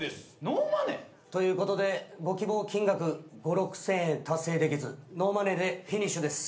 ノーマネー？ということでご希望金額５，０００６，０００円達成できずノーマネーでフィニッシュです。